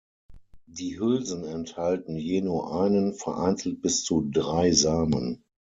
Die Hülsen enthalten je nur einen, vereinzelt bis zu drei Samen.